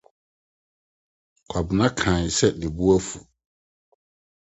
Kwabena kae sɛ ne bo afuw.